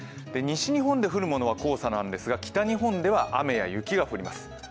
西日本で降るものは黄砂なんですが、北日本では雨や雪が降ります。